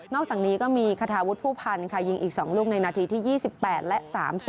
อกจากนี้ก็มีคาทาวุฒิผู้พันธ์ค่ะยิงอีก๒ลูกในนาทีที่๒๘และ๓๐